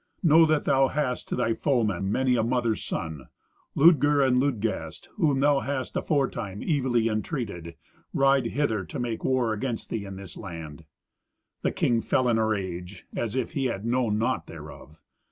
Know that thou hast to thy foemen many a mother's son. Ludger and Ludgast, whom thou hast aforetime evilly entreated, ride hither to make war against thee in this land." The king fell in a rage, as if he had known naught thereof.